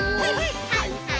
はいはい！